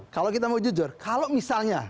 kalau kita mau jujur kalau misalnya